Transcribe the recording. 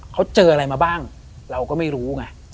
เขาเจออะไรมาบ้างเราก็ไม่รู้ไง